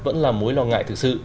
vẫn là mối lo ngại thực sự